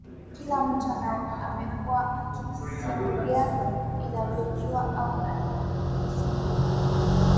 kila mtu amekuwa akisimulia anavyojua au alivyosimuliwa